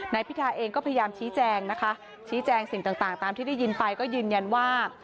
นายพิธาเองก็พยายามชี้แจงนะคะชี้แจงสิ่งต่างตามที่ได้ยินไปก็ยืนยันว่า